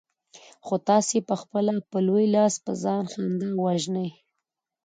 خو تاسې پخپله په لوی لاس په ځان خندا وژنئ.